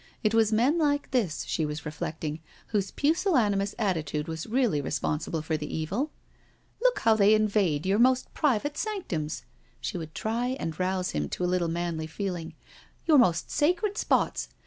It was men like this, she was reflecting, whose pusillanimous attitude was really responsible for the evil. " Look how they invade your most private sanctums "— she would try an& rouse him to a little manly feeling—" your most sacred spots.